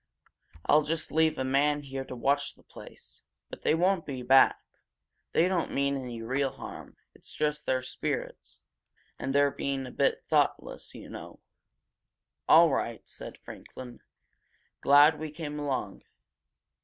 I'll just leave a man here to watch the place. But they won't be back. They don't mean any real harm, as it is. It's just their spirits and their being a bit thoughtless, you know." "All right," said Franklin. "Glad we came along.